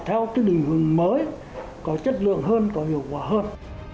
cho những tư đình mới có chất lượng hơn có hiệu quả hơn